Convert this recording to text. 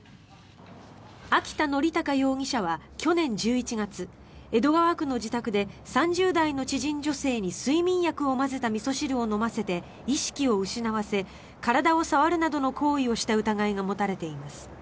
秋田憲隆容疑者は去年１１月江戸川区の自宅で３０代の知人女性に睡眠薬を混ぜたみそ汁を飲ませて意識を失わせ体を触るなどの行為をした疑いが持たれています。